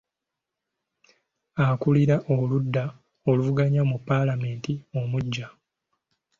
Akulira oludda oluvuganya mu Paalamenti omuggya.